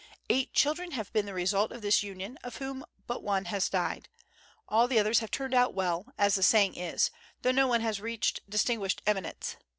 Eight children have been the result of this union, of whom but one has died; all the others have "turned out well," as the saying is, though no one has reached distinguished eminence.